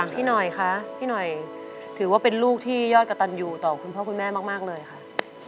พี่หน่อยคะพี่หน่อยถือว่าเป็นลูกที่ยอดกระตันอยู่ต่อคุณพ่อคุณแม่มากเลยค่ะ